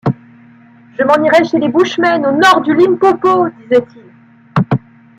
Je m’en irai chez les Bushmen, au nord du Limpopo ! disait-il.